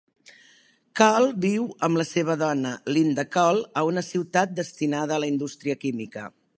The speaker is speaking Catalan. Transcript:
Kall viu amb la seva dona Linda Kall a una ciutat destinada a la indústria química.